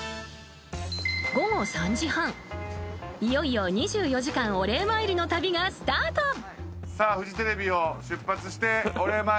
午後３時半、いよいよ２４時間お礼参りの旅がスタート。